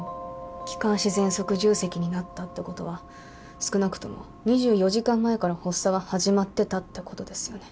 気管支ぜんそく重積になったってことは少なくとも２４時間前から発作が始まってたってことですよね？